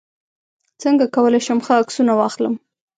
څنګه کولی شم ښه عکسونه واخلم